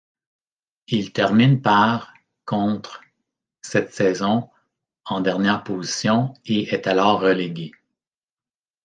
Il termine par contre cette saison en dernière position, et est alors relégué.